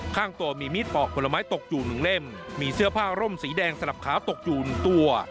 ข้างตัวมีมีดปอกผลไม้ตกอยู่หนึ่งเล่มมีเสื้อผ้าร่มสีแดงสลับขาวตกอยู่หนึ่งตัว